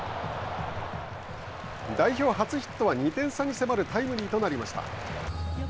代表初ヒットは２点差に迫るタイムリーとなりました。